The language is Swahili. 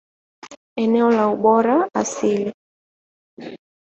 Eneo la ubora asili.